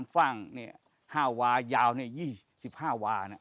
ฟัง๕วายาว๑๕วา